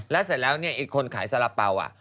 แล้วเสร็จแล้วเนี่ยไอ้คนขายสาระเป๋า